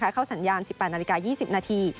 เข้าสัญญาณ๑๘นาฬิกา๒๐นาที